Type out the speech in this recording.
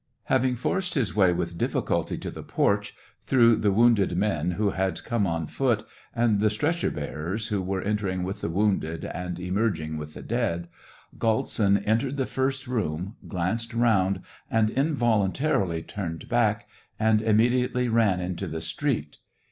Having forced his way with difficulty to the porch, through the wounded men who had come on foot, and the stretcher bearers, who were en tering with the wounded and emerging with the dead, Galtsin entered the first room, glanced round, and involuntarily turned back, and imme diately ran into the street.